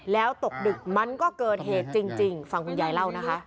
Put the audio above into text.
แล้วตกดึกมันก็เกิดเหตุจริงฟังคุณยายเล่านะคะ